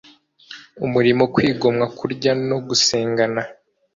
umurimo. Kwigomwa kurya no gusengana